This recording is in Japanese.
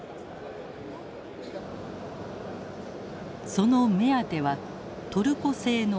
その目当てはトルコ製の兵器。